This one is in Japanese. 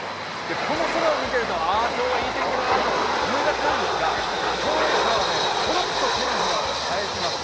この空を見ていると、あ、今日はいい天気だなと思いがちなんですが、今日の空はコロッと手のひらを返します。